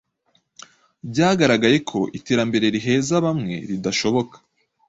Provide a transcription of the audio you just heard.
Byagaragaye ko iterambere riheza bamwe ridashoboka.